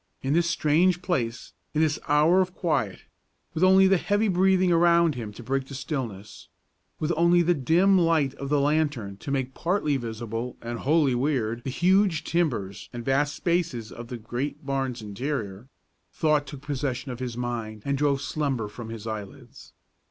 In this strange place, in this hour of quiet, with only the heavy breathing around him to break the stillness; with only the dim light of the lantern to make partly visible and wholly weird the huge timbers and vast spaces of the great barn's interior, thought took possession of his mind and drove slumber from his eyelids.